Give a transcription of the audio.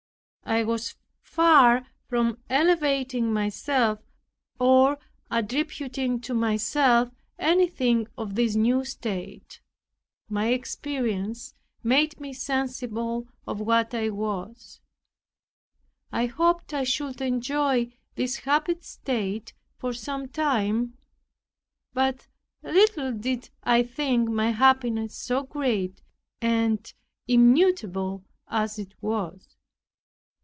I was far from elevating myself, or attributing to myself anything of this new state. My experience made me sensible of what I was. I hoped I should enjoy this happy state for some time, but little did I think my happiness so great and immutable as it was.